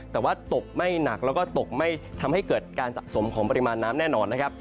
แต่ว่าตกไม่หนักแล้วก็ตกไม่ทำให้เกิดการสะสมของปริมาณน้ำแน่นอนนะครับ